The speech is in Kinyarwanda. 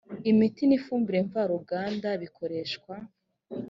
imiti n ifumbire mvaruganda bikoreshwa